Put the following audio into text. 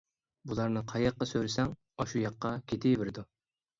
بۇلارنى قاياققا سۆرىسەڭ، ئاشۇ ياققا كېتىۋېرىدۇ.